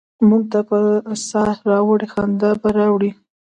موږ ته به سا ه راوړي، خندا به راوړي؟